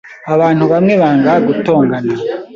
Abantu bamwe banga gutongana.